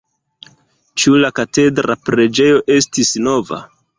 Ĉu la katedra preĝejo estis nova?